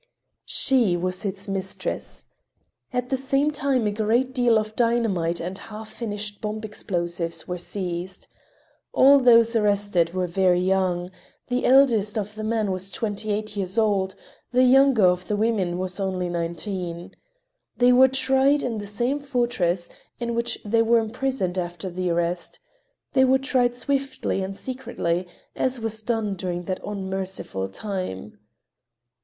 She was its mistress. At the same time a great deal of dynamite and half finished bomb explosives were seized. All those arrested were very young; the eldest of the men was twenty eight years old, the younger of the women was only nineteen. They were tried in the same fortress in which they were imprisoned after the arrest; they were tried swiftly and secretly, as was done during that unmerciful time.